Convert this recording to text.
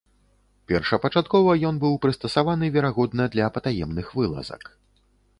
Першапачаткова ён быў прыстасаваны, верагодна, для патаемных вылазак.